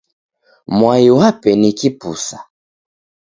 Mwai wape ni kipusa.